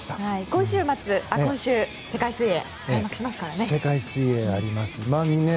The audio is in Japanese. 今週、世界水泳が開幕しますからね。